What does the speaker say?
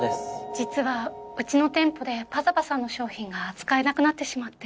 実はうちの店舗で「ｐａｚａｐａ」さんの商品が扱えなくなってしまって。